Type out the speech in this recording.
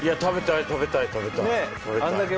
い食べたい食べたい。ねぇ。